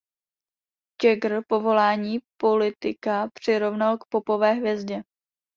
Jagger povolání politika přirovnal k popové hvězdě.